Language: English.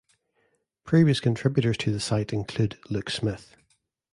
Previous contributors to the site include Luke Smith.